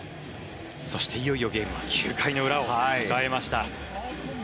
そしていよいよゲームは９回の裏を迎えました。